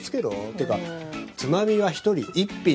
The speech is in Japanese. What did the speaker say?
ていうかつまみは一人１品な。